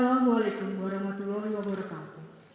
assalamualaikum warahmatullahi wabarakatuh